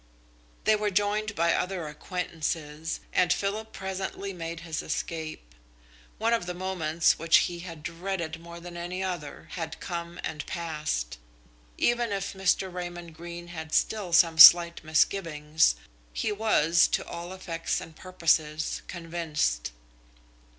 They were joined by other acquaintances, and Philip presently made his escape. One of the moments which he had dreaded more than any other had come and passed. Even if Mr. Raymond Greene had still some slight misgivings, he was, to all effects and purposes, convinced.